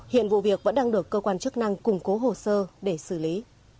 hiện vụ việc vẫn đang được cơ quan chức năng củng cố hồ sơ để xử lý